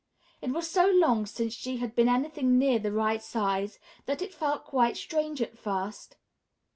It was so long since she had been anything near the right size that it felt quite strange at first.